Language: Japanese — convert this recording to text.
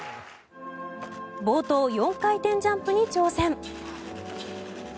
冒頭、４回転ジャンプに挑戦。